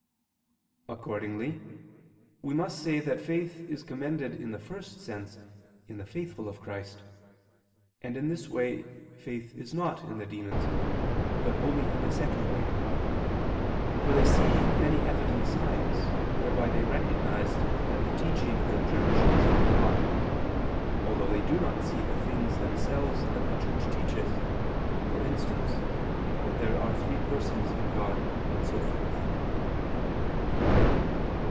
Accordingly we must say that faith is commended in the first sense in the faithful of Christ: and in this way faith is not in the demons, but only in the second way, for they see many evident signs, whereby they recognize that the teaching of the Church is from God, although they do not see the things themselves that the Church teaches, for instance that there are three Persons in God, and so forth.